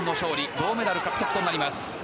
銅メダル獲得となります。